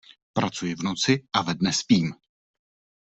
Pracuji v noci a ve dne spím.